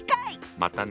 またね。